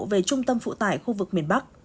về trung tâm phụ tải khu vực miền bắc